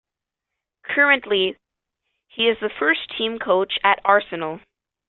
Currently, he is the first team coach at Arsenal.